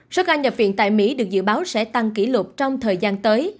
số ca nhập viện tại mỹ được dự báo sẽ tăng kỷ lục trong thời gian tới